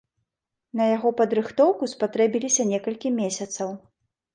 На яго падрыхтоўку спатрэбіліся некалькі месяцаў.